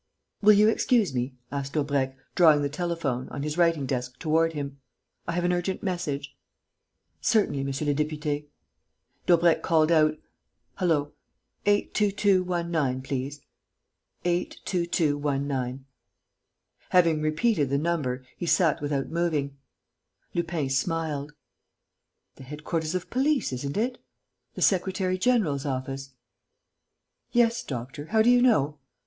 "Will you excuse me?" asked Daubrecq, drawing the telephone, on his writing desk, toward him. "I have an urgent message." "Certainly, monsieur le député." Daubrecq called out: "Hullo!... 822.19, please, 822.19." Having repeated the number, he sat without moving. Lupin smiled: "The headquarters of police, isn't it? The secretary general's office...." "Yes, doctor.... How do you know?"